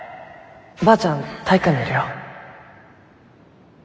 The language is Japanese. ばあちゃん体育館にいるよ。